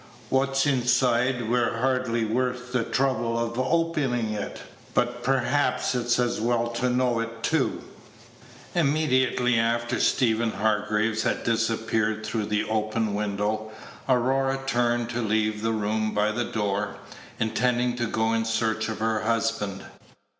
What's insoide were hardly worth th' trouble of openin' it; but perhaps it's as well to know it too." Immediately after Stephen Hargraves had disappeared through the open window, Aurora turned to leave the room by the door, intending to go in search of her husband.